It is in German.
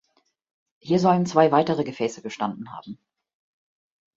Hier sollen zwei weitere Gefäße gestanden haben.